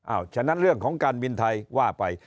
ฉะนั้นเรื่องของการบินไทยว่าไป